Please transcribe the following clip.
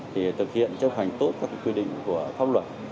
thì thực hiện chấp hành tốt các quy định của pháp luật